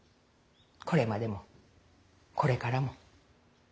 これまでもこれからも。